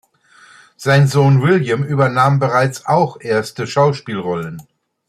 Sein Sohn William übernahm bereits auch erste Schauspielrollen.